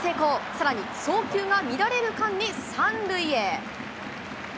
さらに送球が乱れる間に３塁へ。